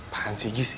pahan sih gis